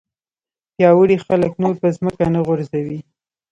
پیاوړي خلک نور په ځمکه نه غورځوي.